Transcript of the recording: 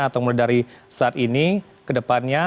atau mulai dari saat ini ke depannya